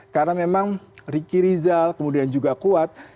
karena memang rikirizal kemudian juga kuat